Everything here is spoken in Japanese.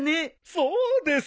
そうです！